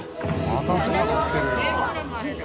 またそばのってるよ。